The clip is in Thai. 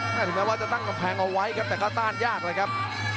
น่าจะตั้งแผงเอาไว้ครับแต่ก็ต้านยากเลยครับ